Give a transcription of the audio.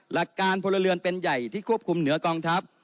หลักการพลเรือนเป็นใหญ่ที่ควบคุมเหนือกองทัพ